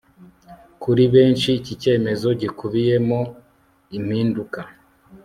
Kuri benshi iki cyemezo gikubiyemo impinduka